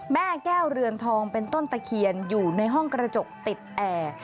แม่แก้วเรือนทองเป็นต้นตะเคียนอยู่ในห้องกระจกติดแอร์